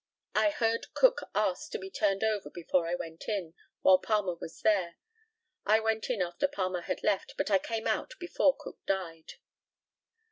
I heard Cook ask to be turned over before I went in, while Palmer was there. I went in after Palmer had left, but I came out before Cook died.